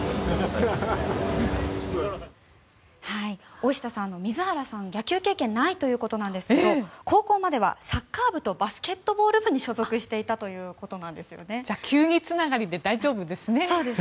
大下さん、水原さんは野球経験がないということですが高校まではサッカー部とバスケットボール部に所属していたということなんです。